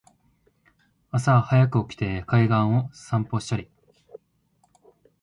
朝はやく起きて海岸を散歩したり